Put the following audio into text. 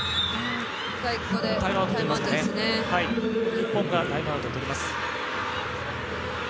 日本がタイムアウトを取ります。